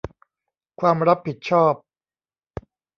ความรับผิดชอบ